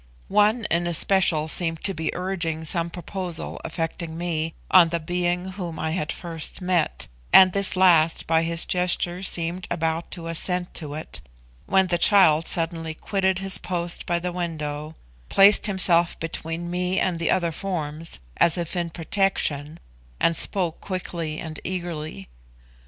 One in especial seemed to be urging some proposal affecting me on the being whom I had first met, and this last by his gesture seemed about to assent to it, when the child suddenly quitted his post by the window, placed himself between me and the other forms, as if in protection, and spoke quickly and eagerly.